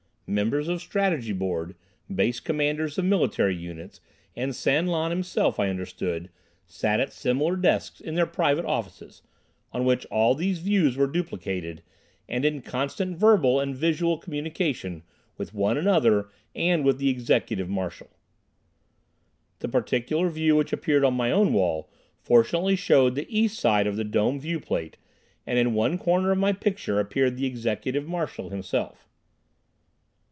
Members of Strategy Board, Base Commanders of military units, and San Lan himself, I understood, sat at similar desks in their private offices, on which all these views were duplicated, and in constant verbal and visual communication with one another and with the Executive Marshal. The particular view which appeared on my own wall fortunately showed the east side of the dome viewplate and in one corner of my picture appeared the Executive Marshal himself.